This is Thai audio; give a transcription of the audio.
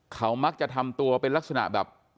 เขามักจะทำตัวเป็นลักษณะแบบ